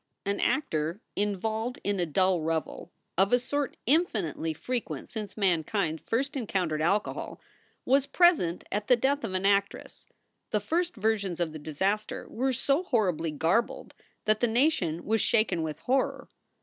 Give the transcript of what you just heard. An actor involved in a dull revel, of a sort infinitely fre 242 SOULS FOR SALE quent since mankind first encountered alcohol, was present at the death of an actress. The first versions of the disaster were so horribly garbled that the nation was shaken with horror.